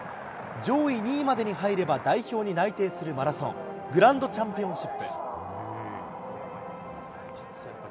上位２位までに入れば代表に内定するマラソン、グランドチャンピオンシップ。